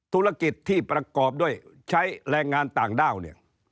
ธุรกิจที่ประกอบด้วยใช้แรงงานต่างด้าวเนี่ย